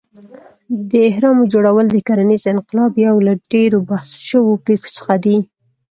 د اهرامو جوړول د کرنیز انقلاب یو له ډېرو بحث شوو پېښو څخه دی.